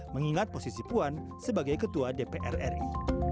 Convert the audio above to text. mengingat posisi puan sebagai ketua dpr ri